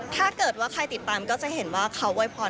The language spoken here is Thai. ถ้าเกิดว่าใครติดตามก็จะเห็นว่าเขาโวยพร